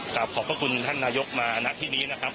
กลับขอบคุณท่านนายกมานักที่นี้นะครับ